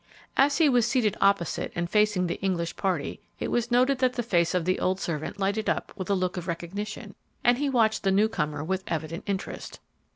As he was seated opposite and facing the English party, it was noted that the face of the old servant lighted up with a look of recognition, and he watched the new comer with evident interest.